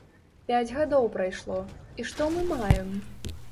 Пяць гадоў прайшло, і што мы маем?